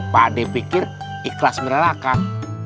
pak de pikir ikhlas meranakan